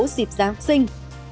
dịp giáng sinh